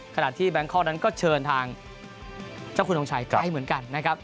ขณะที่แบงค์คอล์กยูวิเต็ตกับบุรีรัมป์นั้นก็เชิญทางเจ้าคุณห่วงชัยใกล้เหมือนกันนะครับ